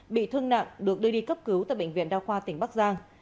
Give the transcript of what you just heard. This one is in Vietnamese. bị thương nặng được đưa đi cấp cứu tại bệnh viện đa khoa tỉnh bắc giang